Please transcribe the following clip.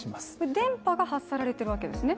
電波が発さられているわけですね。